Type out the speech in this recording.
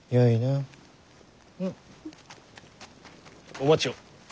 お待ちを。